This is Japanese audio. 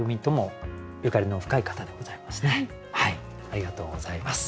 ありがとうございます。